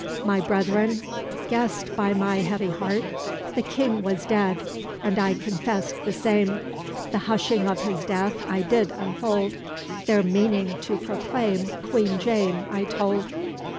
My brethren guessèd by my heavie hearte, The King was dead, and I confess'd the same: The hushing of his death I didd unfolde, Their meaning to proclaime Queene Jane I tolde.